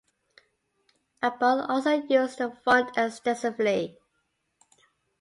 Abarth also use the font extensively.